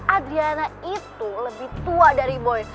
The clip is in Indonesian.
adriana itu lebih tua dari boy